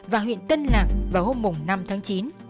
và huyện tân lạc vào hôm năm tháng chín